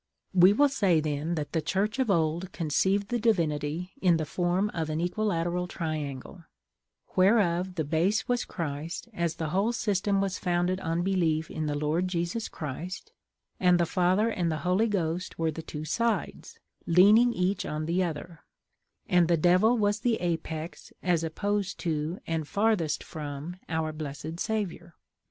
We will say, then, that the Church of old conceived the divinity in the form of an equilateral triangle, whereof the base was Christ as the whole system was founded on belief in the Lord Jesus Christ, and the Father and the Holy Ghost were the two sides, leaning each on the other; and the Devil was the apex, as opposed to, and farthest from, our blessed Savior.